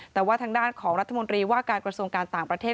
แต่ว่าทางด้านของรัฐมนตรีว่าการกระทรวงการต่างประเทศ